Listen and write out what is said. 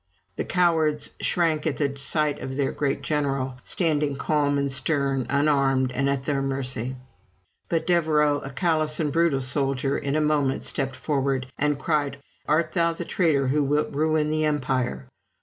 The cowards shrank at the sight of their great general, standing calm and stern, unarmed, and at their mercy. But Devereaux, a callous and brutal soldier, in a moment stepped forward, and cried: "Art thou the traitor who wilt ruin the Empire?"